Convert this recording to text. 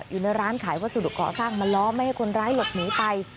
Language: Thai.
อยู่ในร้านขายวัสดุก่อสร้างมาล้อไม่ให้คนร้ายหลบหนีไป